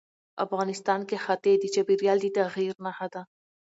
افغانستان کې ښتې د چاپېریال د تغیر نښه ده.